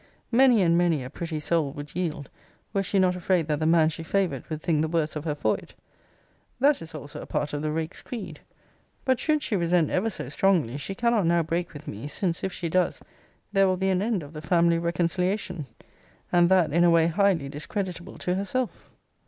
'Many and many a pretty soul would yield, were she not afraid that the man she favoured would think the worse of her for it.' That is also a part of the rake's creed. But should she resent ever so strongly, she cannot now break with me; since, if she does, there will be an end of the family reconciliation; and that in a way highly discreditable to herself.